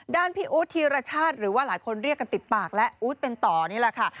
พี่อู๊ดธีรชาติหรือว่าหลายคนเรียกกันติดปากแล้วอู๊ดเป็นต่อนี่แหละค่ะ